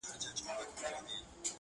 • زه چوپړ کي د ساقي پر خمخانه سوم..